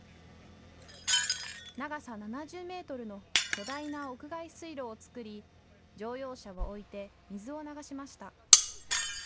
長さ７０ｍの巨大な屋外水路を作り乗用車を置いて水を流しました。